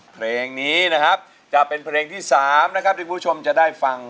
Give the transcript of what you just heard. เพลงนี้นะครับจะเป็นเพลงที่๓นะครับที่คุณผู้ชมจะได้ฟัง